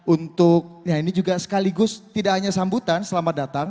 untuk ya ini juga sekaligus tidak hanya sambutan selamat datang